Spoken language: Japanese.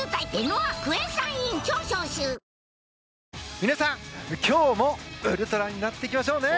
皆さん、今日もウルトラになっていきましょう！